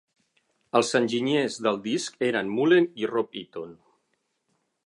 Els enginyers del disc eren Mullen i Rob Eaton.